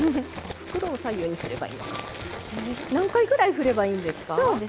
何回ぐらい振ればいいんですか？